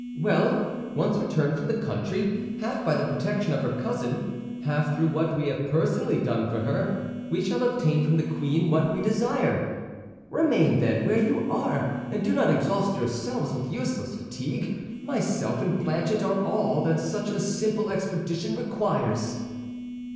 Well, once returned from the country, half by the protection of her cousin, half through what we have personally done for her, we shall obtain from the queen what we desire. Remain, then, where you are, and do not exhaust yourselves with useless fatigue. Myself and Planchet are all that such a simple expedition requires."